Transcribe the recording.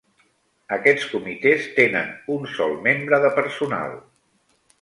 Aquests comitès tenen un sol membre de personal.